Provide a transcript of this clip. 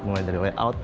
mulai dari layout